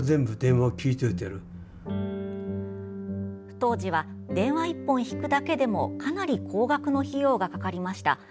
当時は電話１本引くだけでもかなり高額の費用がかかりました。